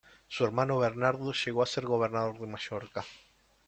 Su hermano Bernardo llegó a ser gobernador de Mallorca.